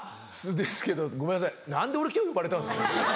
ですけどごめんなさい何で俺今日呼ばれたんですか？